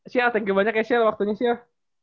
sial thank you banyak ya sial waktunya sial